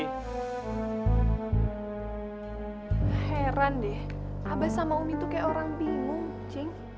heran deh abah sama umi tuh kayak orang bingung cing